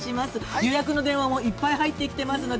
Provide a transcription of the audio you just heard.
予約の電話もいっぱい入ってきていますので。